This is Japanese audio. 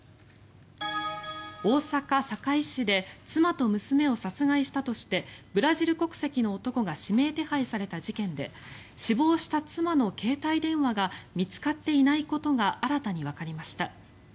大阪・堺市で妻と娘を殺害したとしてブラジル国籍の男が指名手配された事件で死亡した妻の携帯電話が見つかっていないことが新たにわかりました。